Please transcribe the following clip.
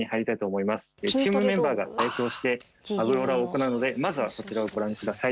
チームメンバーが代表してアブローラーを行うのでまずはそちらをご覧ください。